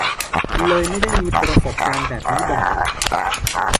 เลยไม่ได้มีประสบการณ์แบบนี้บ่อย